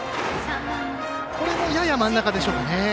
これもやや真ん中でしょうかね。